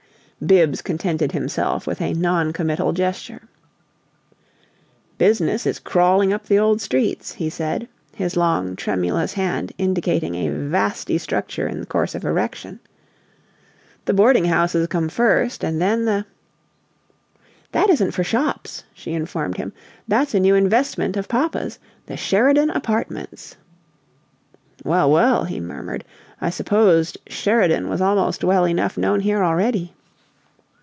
Bibbs contented himself with a non committal gesture. "Business is crawling up the old streets," he said, his long, tremulous hand indicating a vasty structure in course of erection. "The boarding houses come first and then the " "That isn't for shops," she informed him. "That's a new investment of papa's the 'Sheridan Apartments.'" "Well, well," he murmured. "I supposed 'Sheridan' was almost well enough known here already."